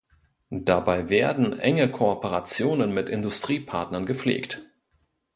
Dabei werden enge Kooperationen mit Industriepartnern gepflegt.